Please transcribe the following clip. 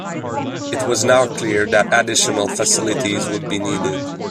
It was now clear that additional facilities would be needed.